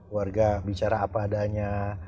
warga bicara apa adanya